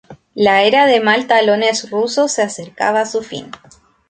La era de mal talones ruso se acercaba a su fin.